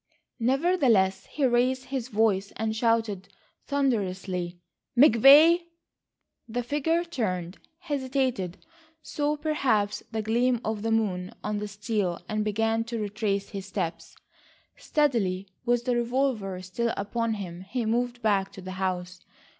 Nevertheless he raised his voice and shouted thunderously: "McVay!" The figure turned, hesitated, saw, perhaps, the gleam of the moon on steel and began to retrace his steps. Steadily with the revolver still upon him he moved back to the house.